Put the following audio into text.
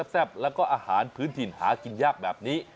แซ่บแล้วก็อาหารพื้นถิ่นหากินยากแบบนี้